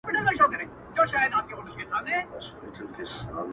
ستا د مخ له اب سره ياري کوي~